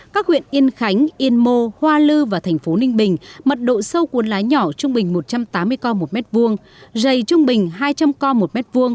các huyện yên khánh yên mô hoa lư và thành phố ninh bình mật độ sâu cuốn lá nhỏ trung bình một trăm tám mươi co một m hai dày trung bình hai trăm linh co một m hai